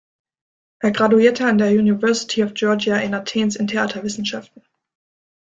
Er graduierte an der University of Georgia in Athens in Theaterwissenschaften.